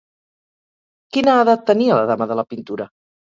Quina edat tenia la dama de la pintura?